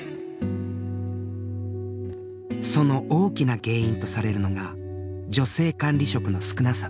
その大きな原因とされるのが女性管理職の少なさだ。